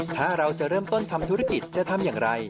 ถ้าเราจะเริ่มต้นทำธุรกิจจะทำอย่างไร